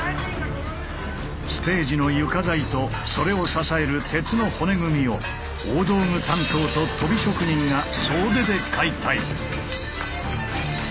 ステージの床材とそれを支える鉄の骨組みを大道具担当ととび職人が総出で解体。